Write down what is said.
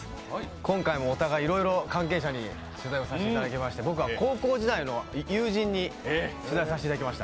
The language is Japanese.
今回もお互いいろいろ関係者に取材をさせていただきまして、僕は高校時代の友人に取材させていただきました。